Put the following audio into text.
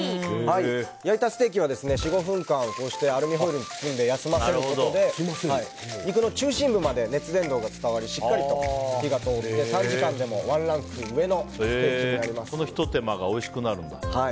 焼いたステーキは４５分間アルミホイルに包んで休ませることで肉の中心部まで熱伝導が伝わりしっかりと火が通って短時間でもワンランク上のこのひと手間がおいしくなるんだ。